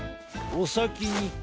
おさきに。